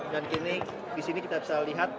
dan ini di sini kita bisa lihat